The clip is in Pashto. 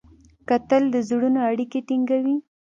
کتل د زړونو اړیکې ټینګوي